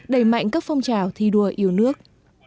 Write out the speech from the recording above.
đầy mạnh các phong trào thi đua yêu nước